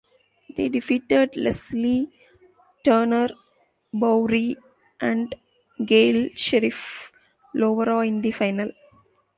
They defeated Lesley Turner Bowrey and Gail Sherriff Lovera in the final.